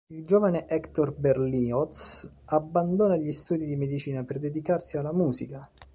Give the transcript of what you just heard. Il giovane Hector Berlioz abbandona gli studi di medicina per dedicarsi alla musica.